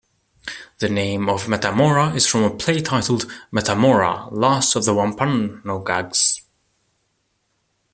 The name of Metamora is from a play titled: Metamora, Last of the Wampanoags.